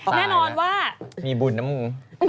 แน่นอนว่ามีบุญนะมึง